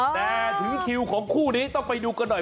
แต่ถึงคิวของคู่นี้ต้องไปดูกันหน่อย